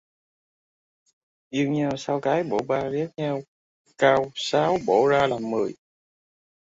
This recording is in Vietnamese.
Yêu nhau cau sáu bổ ba, ghét nhau cau sáu bổ ra làm mười